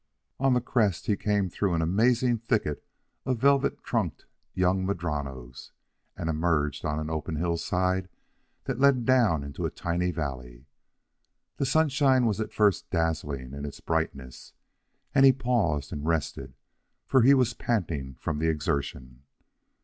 On the crest he came through an amazing thicket of velvet trunked young madronos, and emerged on an open hillside that led down into a tiny valley. The sunshine was at first dazzling in its brightness, and he paused and rested, for he was panting from the exertion.